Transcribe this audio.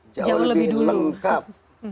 jauh lebih lengkap